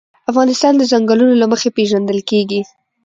افغانستان د چنګلونه له مخې پېژندل کېږي.